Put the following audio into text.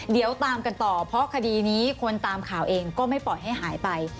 เดี๋ยวตามกันต่อเพราะคดีนี้คนตามข่าวเองก็ไม่ปล่อยให้หายไป